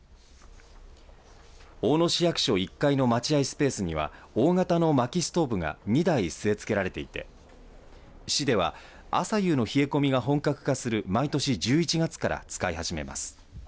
大野市役所１階の待合スペースには大型のまきストーブが２台、据え付けられていて市では朝夕の冷え込みが本格化する毎年１１月から使い始めます。